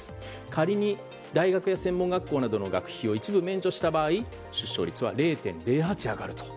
仮に大学や専門学校の学費を一部免除した場合出生率は０．０８上がると。